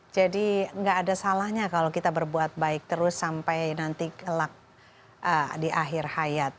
nggak ada salahnya kalau kita berbuat baik terus sampai nanti kelak di akhir hayat